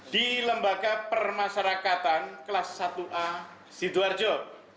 di lembaga permasyarakatan kelas satu a sidoarjo